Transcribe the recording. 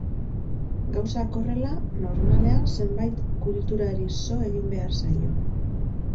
Gauzak horrela, normalean zenbait kulturari so egin behar zaio.